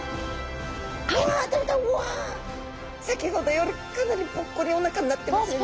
先ほどよりかなりぽっこりおなかになってますよね。